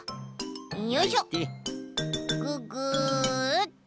よいしょぐぐっ。